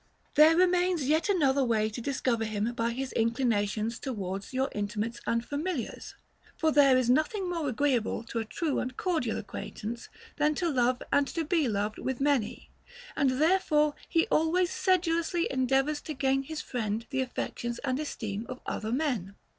24. There remains yet another way to discover him by his inclinations towards your intimates and familiars. For there is nothing more agreeable to a true and cordial ac quaintance than to love and to be beloved with many ; and therefore he always sedulously endeavors to gain his friend the affections and esteem of other men.